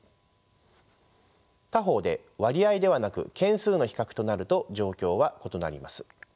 他方で割合ではなく件数の比較となると状況は異なります。